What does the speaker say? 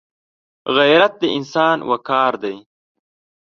غیرت د انسان وقار دی